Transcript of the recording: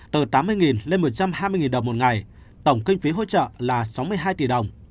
từ tám mươi lên một trăm hai mươi đồng một ngày tổng kinh phí hỗ trợ là sáu mươi hai tỷ đồng